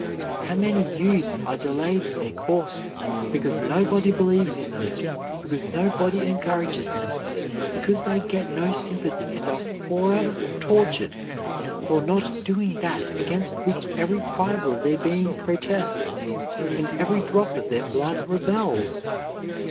How many youths are delayed in their course because nobody believes in them, because nobody encourages them, because they get no sympathy and are forever tortured for not doing that against which every fiber of their being protests, and every drop of their blood rebels?